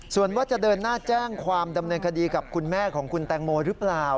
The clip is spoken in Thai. ส่วนว่าจะเดินหน้าแจ้งความดำเนินคดีกับคุณแม่ของคุณแตงโมหรือเปล่า